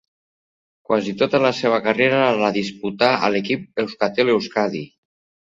Quasi tota la seva carrera la disputà a l'equip Euskaltel-Euskadi.